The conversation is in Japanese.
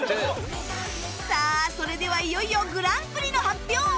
さあそれではいよいよグランプリの発表！